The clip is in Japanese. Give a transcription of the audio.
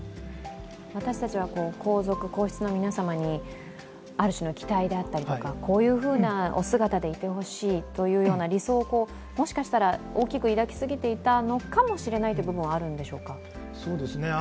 私たちは皇族、皇室の皆様にある種の期待であったり、こういうふうなお姿でいていただきたいとか、理想をもしかしたら大きく抱きすぎていたのかもしれないという部分はあるんでしょうか。